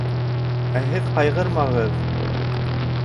Ә һеҙ ҡайғырмағыҙ.